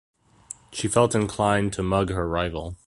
She felt inclined to mug her rival.